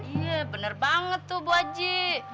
iya bener banget tuh bu aji